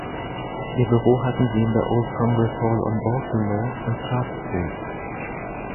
Ihr Büro hatten sie in der Old Congress Hall on Baltimore und Sharp Streets.